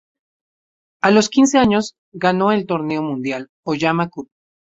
A los quince años, ganó el torneo mundial "Oyama Cup".